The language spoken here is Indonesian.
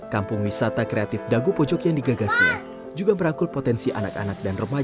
kampung wisata kreatif dagupojok yang digagasnya juga berangkul potensi anak anak dan remaja